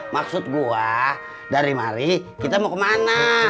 maksud gua dari mari kita mau kemana